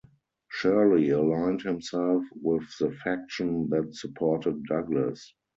Shirley aligned himself with the faction that supported Douglas.